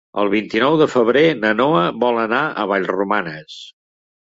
El vint-i-nou de febrer na Noa vol anar a Vallromanes.